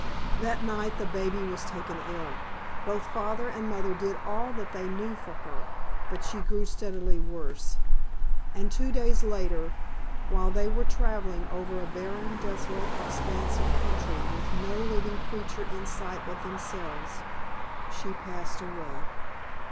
That night the baby was taken ill. Both father and mother did all that they knew for her, but she grew steadily worse, and two days later, while they were traveling over a barren, desolate expanse of country with no living creature in sight but themselves, she passed away.